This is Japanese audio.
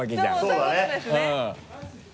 そうだね。